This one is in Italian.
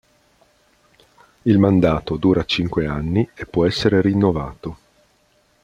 Il mandato dura cinque anni e può essere rinnovato.